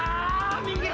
ah minggir kamu